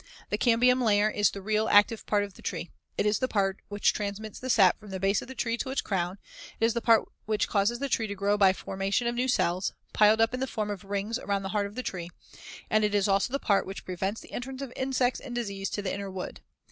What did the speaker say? The cambium layer is the real, active part of the tree. It is the part which transmits the sap from the base of the tree to its crown; it is the part which causes the tree to grow by the formation of new cells, piled up in the form of rings around the heart of the tree; and it is also the part which prevents the entrance of insects and disease to the inner wood.